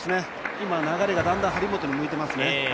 今、流れがだんだん、張本に向いてますね。